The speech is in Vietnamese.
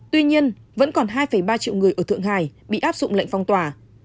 tuy nhiên vẫn còn hai ba triệu người ở thượng hải bị áp dụng lệnh phong tỏa